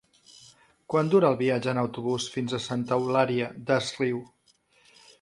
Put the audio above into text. Quant dura el viatge en autobús fins a Santa Eulària des Riu?